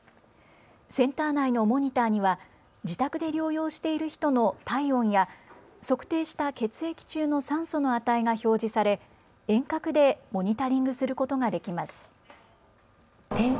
センター内のモニターには自宅で療養している人の体温や測定した血液中の酸素の値が表示され遠隔でモニタリングすることができます。